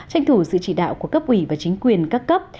tranh thủ sự chỉ đạo của cấp ủy và chính quyền các cấp